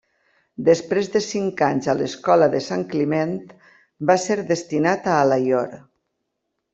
Després de cinc anys a l'escola de Sant Climent va ser destinat a Alaior.